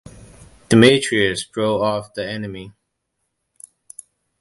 Demetrius drove off the enemy.